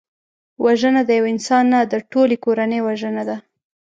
وژنه د یو انسان نه، د ټولي کورنۍ وژنه ده